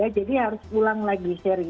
jadi harus ulang lagi seri